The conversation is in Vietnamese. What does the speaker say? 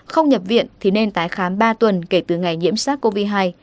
không nhập viện thì nên tái khám ba tuần kể từ ngày nhiễm sát covid một mươi chín